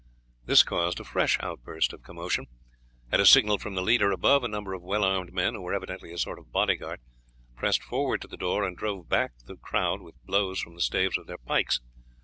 This caused a fresh outburst of commotion. At a signal from the leader above a number of well armed men, who were evidently a sort of body guard, pressed forward to the door and drove back the crowd with blows from the staves of their pikes.